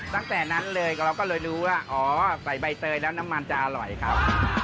ตั้งแต่นั้นเลยเราก็เลยรู้ว่าอ๋อใส่ใบเตยแล้วน้ำมันจะอร่อยครับ